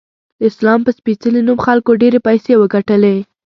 د اسلام په سپیڅلې نوم خلکو ډیرې پیسې وګټلی